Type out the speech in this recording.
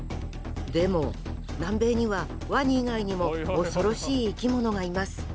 でも南米にはワニ以外にも恐ろしい生き物がいます。